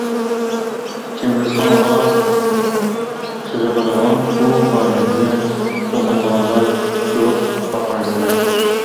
چىڭگىزخانغا قىزىقىدىغان، ئۇ ئادەمگە چوقۇنىدىغانلار كۆرۈپ باقارسىلەر.